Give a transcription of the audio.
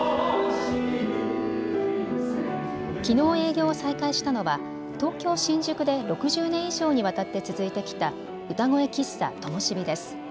きのう営業を再開したのは東京新宿で６０年以上にわたって続いてきた歌声喫茶ともしびです。